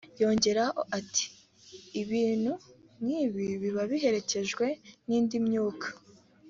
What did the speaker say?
Yongeyeho ati 'Ibintu nk'ibi biba biherekejwe n'indi myuka'